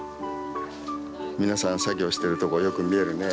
皆さん作業してるとこがよく見えるね。